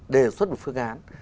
đề xuất một phương án